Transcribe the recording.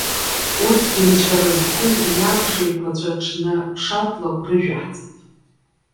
Урҭгьы, нҵәара зқәым уи амш еиқәаҵәа аҽны аԥшатлакә рыжәаҳҵеит.